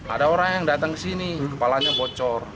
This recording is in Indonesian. ada orang yang datang ke sini kepalanya bocor